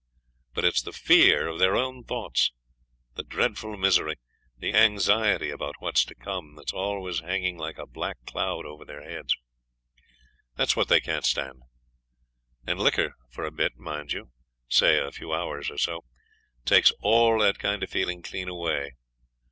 But it's the fear of their own thoughts the dreadful misery the anxiety about what's to come, that's always hanging like a black cloud over their heads. That's what they can't stand; and liquor, for a bit, mind you say a few hours or so takes all that kind of feeling clean away.